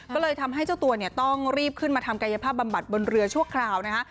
ก็เลยทำให้เจ้าตัวเนี่ยต้องรีบขึ้นมาทำกายภาพบำบัดบนเรือชั่วคราวนะคะ